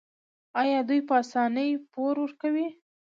آیا دوی په اسانۍ پور ورکوي؟